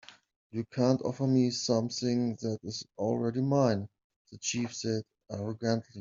"You can't offer me something that is already mine," the chief said, arrogantly.